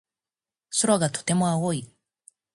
空がとても青い。